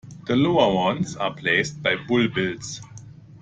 The lower ones are replaced by bulbils.